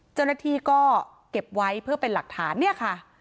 เจ้าหน้าที่ก็เก็บไว้เพื่อเป็นหลักฐานเนี่ยค่ะ